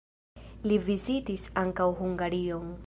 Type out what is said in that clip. Li vizitis ankaŭ Hungarion.